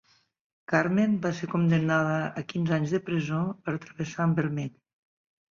Carmen va ser condemnada a quinze anys de presó per travessar en vermell.